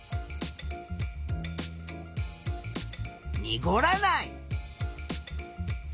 にごらない。